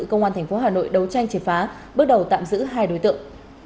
công an tp hà nội đấu tranh triệt phá bước đầu tạm giữ hai đối tượng